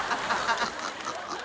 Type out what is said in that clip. ハハハ